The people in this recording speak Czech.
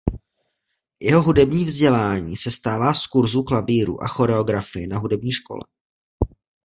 Jeho hudební vzdělání sestává z kurzů klavíru a choreografie na hudební škole.